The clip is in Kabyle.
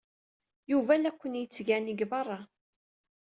Yuba la ken-yettgani deg beṛṛa.